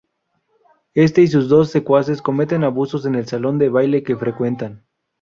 Este y sus dos secuaces cometen abusos en el salón de baile que frecuentan.